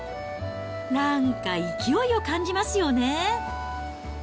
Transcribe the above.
なんか勢いを感じますよね。